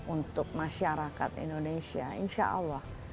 untuk masyarakat indonesia insya allah